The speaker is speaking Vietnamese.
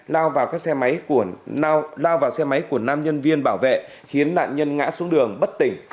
lao vào xe máy của nam nhân viên bảo vệ khiến nạn nhân ngã xuống đường bất tỉnh